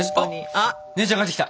あっ姉ちゃん帰ってきた！